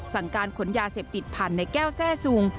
สั่งการขนยาเสพติดผ่านในแก้วแทร่ซุง